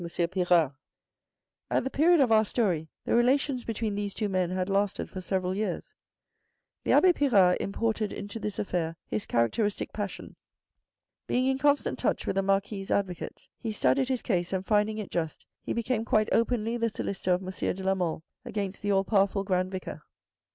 Pirard. THE FIRST PROMOTION 209 At the period of our story the relations between these two men had lasted for several years. The abbe Pirard imported into this affair his characteristic passion. Being in constant touch with the Marquis's advocates, he studied his case, and finding it just, he became quite openly the solicitor of M. de la Mole against the all powerful Grand Vicar.